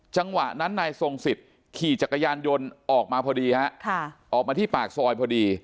จังหวะนั้นนายทรงสิทธิ์ขี่จักรยานยนต์ออกมาพอดีฮะออกมาที่ปากซอยพอดี